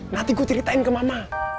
nanti gue ceritain ke mama